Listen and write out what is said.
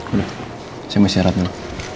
udah saya mau siarat dulu